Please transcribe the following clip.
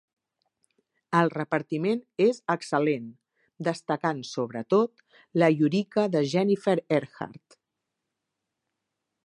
El repartiment és excel·lent, destacant sobretot la Yurika de Jennifer Earhart.